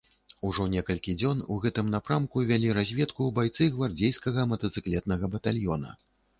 Ужо некалькі дзён у гэтым напрамку вялі разведку байцы гвардзейскага матацыклетнага батальёна.